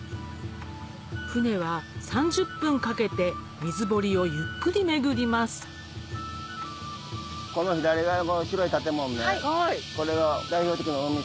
船は３０分かけて水堀をゆっくりめぐりますこの左側の白い建物ね。